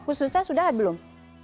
khususnya sudah atau belum